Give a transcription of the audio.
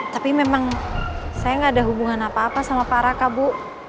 tapi memang saya gak ada hubungan apa apa sama para kak bu